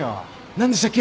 何でしたっけ？